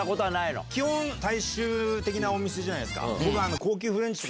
大衆的なお店じゃないですか。